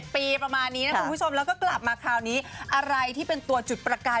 ปีประมาณนี้นะคุณผู้ชมแล้วก็กลับมาคราวนี้อะไรที่เป็นตัวจุดประกาย